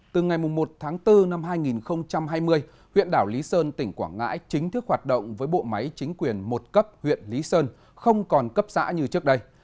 từ ngày một tháng bốn năm hai nghìn hai mươi huyện đảo lý sơn tỉnh quảng ngãi chính thức hoạt động với bộ máy chính quyền một cấp huyện lý sơn không còn cấp xã như trước đây